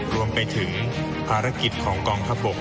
รวมไปถึงภารกิจของกองทัพบก